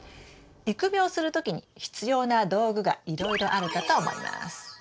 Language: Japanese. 育苗する時に必要な道具がいろいろあるかと思います。